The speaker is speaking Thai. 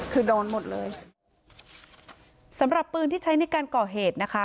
คือโดนหมดเลยสำหรับปืนที่ใช้ในการก่อเหตุนะคะ